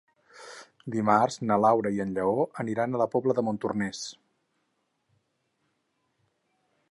Dimarts na Laura i en Lleó aniran a la Pobla de Montornès.